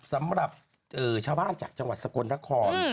สำหรับชาวบ้านจากจังหวัดสกลนคร